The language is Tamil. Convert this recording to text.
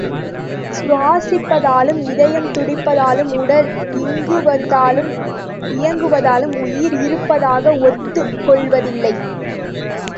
சுவாசிப்பதாலும் இதயம் துடிப்பதாலும் உடல் இயங்குவதாலும் உயிர் இருப்பதாக ஒத்துக் கொள்வதில்லை.